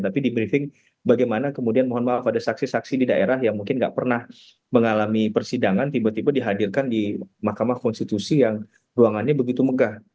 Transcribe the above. tapi di briefing bagaimana kemudian mohon maaf ada saksi saksi di daerah yang mungkin nggak pernah mengalami persidangan tiba tiba dihadirkan di mahkamah konstitusi yang ruangannya begitu megah